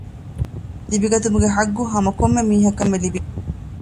ލިބިގަތުމުގެ ޙައްޤު ހަމަ ކޮންމެ މީހަކަށްމެ ލިބިގެންވޭ